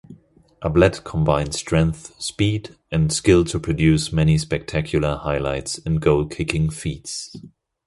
Ablett combined strength, speed, and skill to produce many spectacular highlights and goal-kicking feats.